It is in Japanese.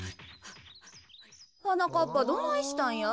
はなかっぱどないしたんや？